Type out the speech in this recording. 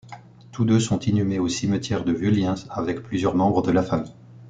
Tous deux sont inhumés au cimetière de Vulliens avec plusieurs membres de la famille.